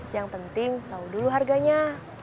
yang penting tahu dulu harganya